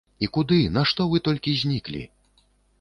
І куды, нашто вы толькі зніклі?